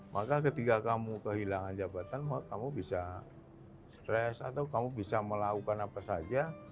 maka ketika kamu kehilangan jabatan kamu bisa stres atau kamu bisa melakukan apa saja